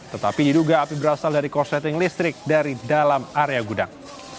tetapi diduga api berasal dari korsleting listrik dari dalam area gudang